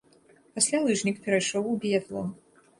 Пасля лыжнік перайшоў у біятлон.